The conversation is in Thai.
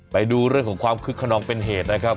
ไปดูเรื่องของความคึกขนองเป็นเหตุนะครับ